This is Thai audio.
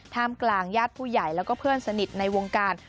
กลางญาติผู้ใหญ่แล้วก็เพื่อนสนิทในวงการ